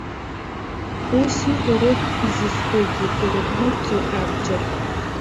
Ус иҟоу роуп изызкугьы ирыҟәнырҵо рабџьар.